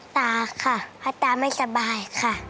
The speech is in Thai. ตาค่ะตาไม่สบายค่ะ